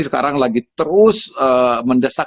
sekarang lagi terus mendesak